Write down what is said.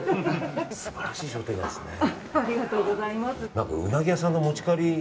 素晴らしい商店街ですね。